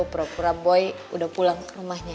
purapura boy udah pulang ke rumahnya